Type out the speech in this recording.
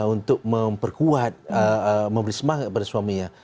untuk memperkuat memberi semangat kepada suaminya